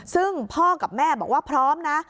ซึ่งพ่อกับแม่บอกว่าพร้อมนะ